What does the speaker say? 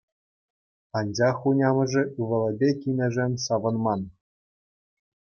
Анчах хунямӑшӗ ывӑлӗпе кинӗшӗн савӑнман.